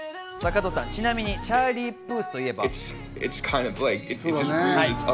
加藤さん、ちなみにチャーリー・プースといえば？